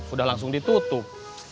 sudah langsung ditutup